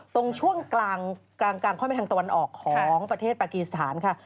ตรงช่วงกลางค่อยไปทางตะวันออกของประเทศปากีสถานค่ะ